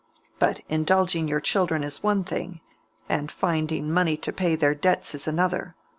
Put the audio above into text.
But indulging your children is one thing, and finding money to pay their debts is another.